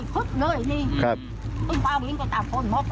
ครับ